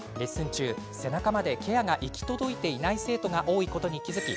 中背中までケアが行き届いていない生徒が多いことに気付き